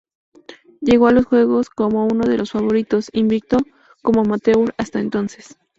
Llegó a los juegos como uno de los favoritos, invicto como amateur hasta entonces.